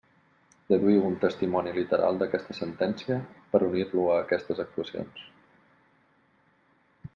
Deduïu un testimoni literal d'aquesta Sentència per unir-lo a aquestes actuacions.